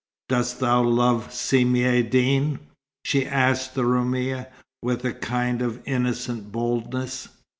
"Dost thou love Si Maïeddine?" she asked the Roumia, with a kind of innocent boldness.